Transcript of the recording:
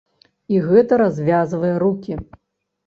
І гэта развязвае рукі.